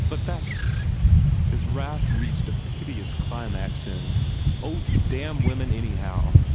But that s" His wrath reached a piteous climax in, "Oh, damn women, anyhow!